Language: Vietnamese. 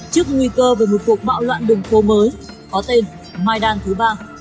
trước nguy cơ về một cuộc bạo loạn đường phố mới có tên maidang thứ ba